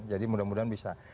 jadi mudah mudahan bisa